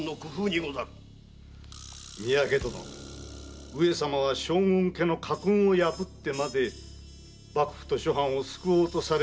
三宅殿上様は将軍家の家訓を破ってまで幕府と諸藩を救おうとされているのですぞ。